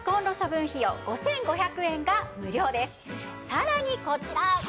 さらにこちら！